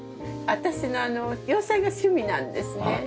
私あの洋裁が趣味なんですね。